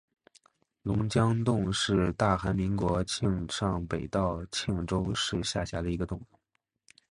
龙江洞是大韩民国庆尚北道庆州市下辖的一个洞。